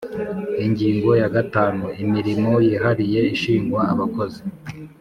Ingingo ya gatanu Imirimo yihariye ishingwa abakozi